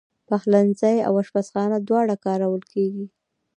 پخلنځی او آشپزخانه دواړه کارول کېږي.